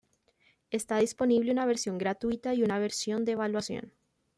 Está disponible una versión gratuita y una versión de evaluación.